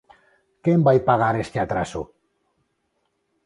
Quen vai pagar este atraso?